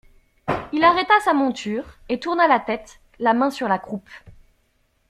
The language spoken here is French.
Il arrêta sa monture, et tourna la tête, la main sur la croupe.